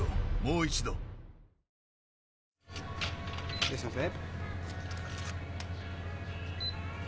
いらっしゃいませ。